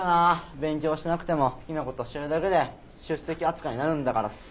勉強しなくても好きなことしてるだけで出席扱いになるんだからさ。